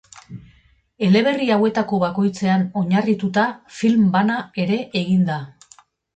Eleberri hauetako bakoitzean oinarrituta film bana ere egin da.